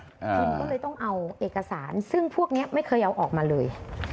คุณก็เลยต้องเอาเอกสารซึ่งพวกนี้ไม่เคยเอาออกมาเลย